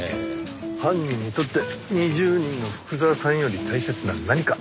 犯人にとって２０人の福沢さんより大切な何か。